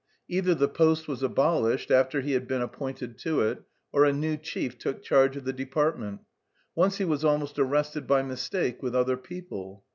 Either the post was abolished after he had been appointed to it, or a new chief took charge of the department; once he was almost arrested by mistake with other people.